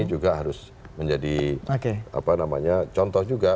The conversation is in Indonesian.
ini juga harus menjadi contoh juga